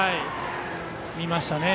見ましたね。